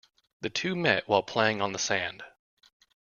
The two met while playing on the sand.